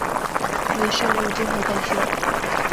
你上路之后再说